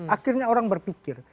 akhirnya orang berpikir